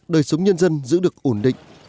đời sống nhân dân giữ được ổn định